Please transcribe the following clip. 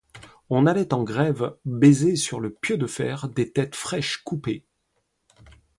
On allait en grève baiser sur le pieu de fer des têtes fraîches coupées.